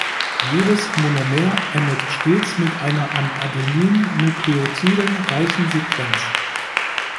Jedes Monomer endet stets mit einer an Adenin-Nukleotiden reichen Sequenz.